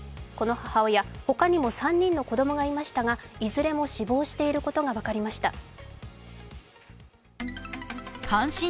この母親、ほかにも３人の子供がいましたが、いずれも死亡していることが分かりました。